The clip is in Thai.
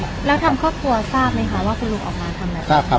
แล้วทำบัญชาพ่อครับท่านรู้ไหมคะ